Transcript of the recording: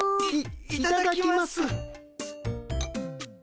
いいただきます。